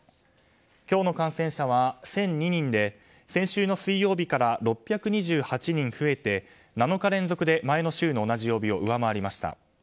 今日の感染者は１００２人で先週の水曜日から６２８人増えて７日連続で前の週の同じ曜日を上回りました。